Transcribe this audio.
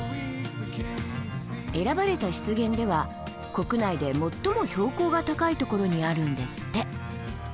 選ばれた湿原では国内で最も標高が高いところにあるんですって。